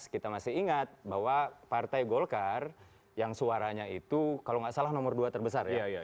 kita masih ingat bahwa partai golkar yang suaranya itu kalau nggak salah nomor dua terbesar ya